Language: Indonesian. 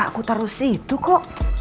aku taruh situ kok